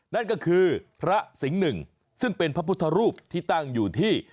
นั่นก็คือพระสิงห์หนึ่งซึ่งเป็นพระพุทธรูปที่ตั้งอยู่ที่